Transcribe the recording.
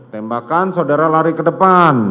tembakan saudara lari ke depan